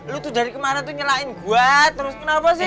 lo tuh dari kemana tuh nyalain gua terus kenapa sih